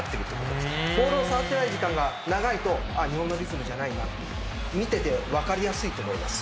ボールを触ってない時間が長いと日本のリズムじゃないなと見てて分かりやすいと思います